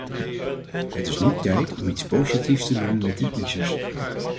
Het is nu tijd om iets positiefs te doen met die kiezers.